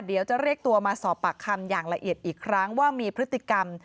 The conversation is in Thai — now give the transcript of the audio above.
อีกครั้งว่ามีพฤติกรรม